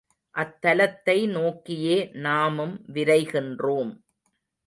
அத்தலத்தை நோக்கியே நாமும் விரைகின்றோம்.